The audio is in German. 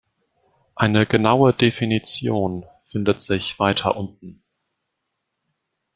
Eine genaue Definition findet sich weiter unten.